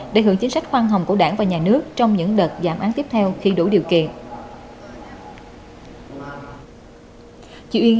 để hưởng chính sách khoan hồng của đảng và nhà nước trong những đợt giảm án tiếp theo khi đủ điều kiện